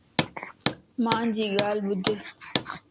مانجي ڳالھ ٻُڌ